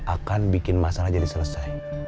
akan bikin masalah jadi selesai